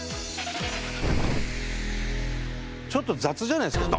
ちょっと雑じゃないですか？